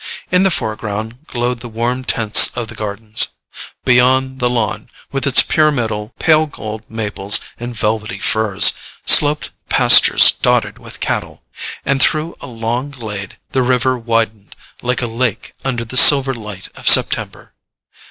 In the foreground glowed the warm tints of the gardens. Beyond the lawn, with its pyramidal pale gold maples and velvety firs, sloped pastures dotted with cattle; and through a long glade the river widened like a lake under the silver light of September.